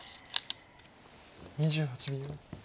２８秒。